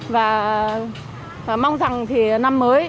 và mong rằng năm mới